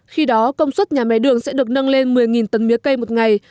khi đó công suất nhà máy đường sẽ được nâng lên một mươi tấn mía cây một ngày